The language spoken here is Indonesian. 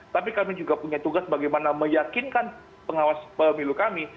tapi kami juga punya tugas bagaimana meyakinkan pengawas pemilu kami